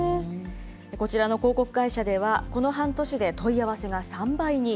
こちらの広告会社では、この半年で問い合わせが３倍に。